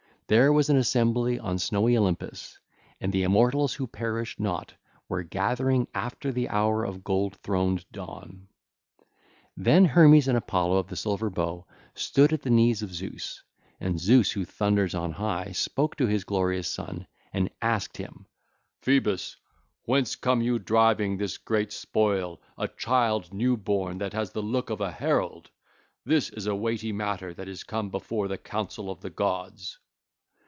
There was an assembly on snowy Olympus, and the immortals who perish not were gathering after the hour of gold throned Dawn. (ll. 327 329) Then Hermes and Apollo of the Silver Bow stood at the knees of Zeus: and Zeus who thunders on high spoke to his glorious son and asked him: (ll. 330 332) 'Phoebus, whence come you driving this great spoil, a child new born that has the look of a herald? This is a weighty matter that is come before the council of the gods.